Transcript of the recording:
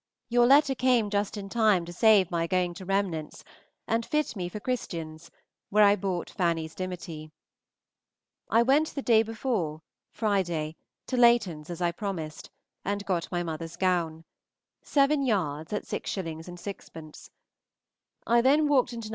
Your letter came just in time to save my going to Remnant's, and fit me for Christian's, where I bought Fanny's dimity. I went the day before (Friday) to Layton's as I proposed, and got my mother's gown, seven yards at 6_s._ 6_d._ I then walked into No.